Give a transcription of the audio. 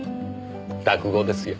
落語ですよ。